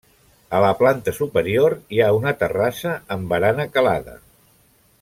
A la planta superior hi ha una terrassa amb barana calada.